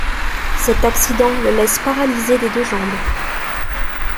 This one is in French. Cet accident le laisse paralysé des deux jambes.